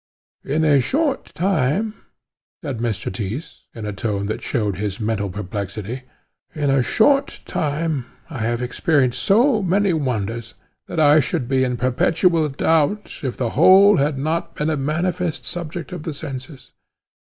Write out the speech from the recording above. "Since a short time " said Mr. Tyss, in a tone that showed his mental perplexity, "since a short time I have experienced so many wonders, that I should be in perpetual doubt, if the whole had not been a manifest subject of the senses.